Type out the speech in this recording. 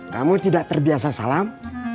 kamu tidak terbiasa salam